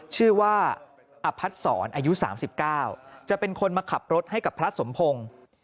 ชื่อว่าอพัดศรอายุ๓๙จะเป็นคนมาขับรถให้กับพระสมพงศ์